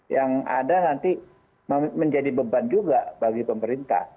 yang ada nanti menjadi beban juga bagi pemerintah